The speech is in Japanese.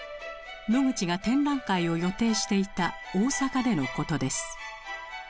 ノグチが展覧会を予定していた大阪でのことです。